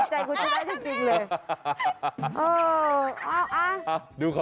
ใจคุณจะได้จริงเลย